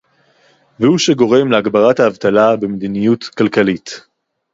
והוא שגורם להגברת האבטלה במדיניות כלכלית